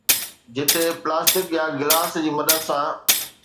جتي پلاسٽڪ يا گلاس جي مدد سان